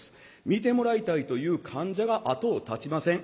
診てもらいたいという患者が後を絶ちません。